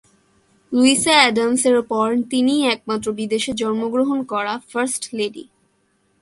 Luisa Adams এর পর তিনিই একমাত্র বিদেশে জন্মগ্রহণ করা ফার্স্ট লেডি।